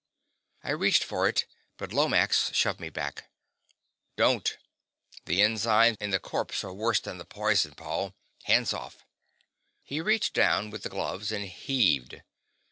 I reached for it, but Lomax shoved me back. "Don't the enzymes in the corpse are worse than the poison, Paul. Hands off." He reached down with the gloves and heaved.